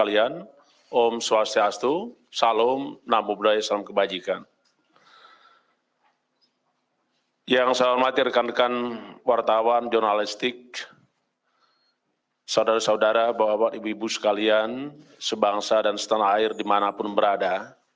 yang saya amatirkan dengan wartawan jurnalistik saudara saudara bawa bawa ibu ibu sekalian sebangsa dan setanah air dimanapun berada